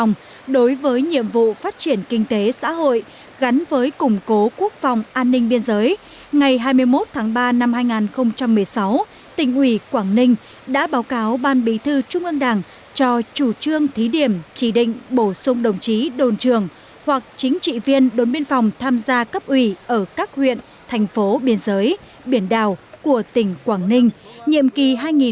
ngày hai mươi một tháng ba năm hai nghìn một mươi sáu tỉnh ủy quảng ninh đã báo cáo ban bí thư trung ương đảng cho chủ trương thí điểm chỉ định bổ sung đồng chí đồn trường hoặc chính trị viên đốn biên phòng tham gia cấp ủy ở các huyện thành phố biên giới biển đảo của tỉnh quảng ninh nhiệm kỳ hai nghìn một mươi năm hai nghìn hai mươi